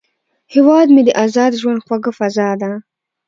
هیواد مې د ازاد ژوند خوږه فضا ده